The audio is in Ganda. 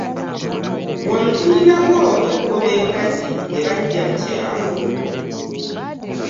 Wano tulinawo enkobe enkazi gye baggya mu kyalo.